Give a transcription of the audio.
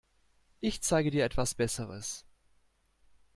Ich zeige dir etwas Besseres.